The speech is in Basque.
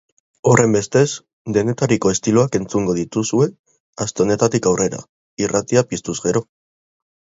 Horrenbestez, denetariko estiloak entzungo dituzue aste honetatik aurrera, irratia piztuz gero.